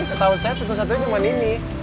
setahu saya satu satunya cuma ini